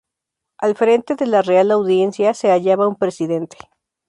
Al frente de la Real Audiencia se hallaba un presidente.